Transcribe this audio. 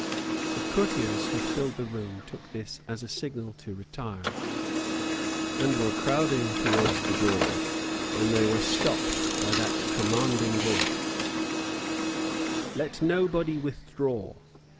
The courtiers who filled the room took this as a signal to retire, and were crowding towards the door, when they were stopped by that commanding voice: "Let nobody withdraw.